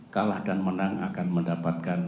kalah dan menang akan mendapatkan